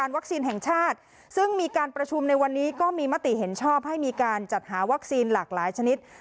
อะไรหรือว่าห้ามทำนะครับ